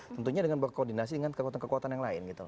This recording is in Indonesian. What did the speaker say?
tentunya dengan berkoordinasi dengan kekuatan kekuatan yang lain gitu